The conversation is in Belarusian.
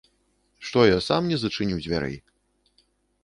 Што я, сам не зачыню дзвярэй?